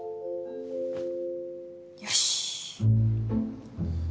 よし！